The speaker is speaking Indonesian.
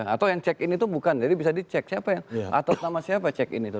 atau yang check in itu bukan jadi bisa dicek siapa yang atau sama siapa check in itu